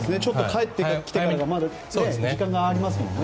帰ってきてから時間がありますよね。